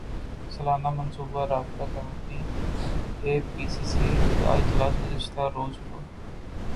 سالانہ منصوبہ رابطہ کمیٹی اے پی سی سی کا اجلاس گزشتہ روز ہوا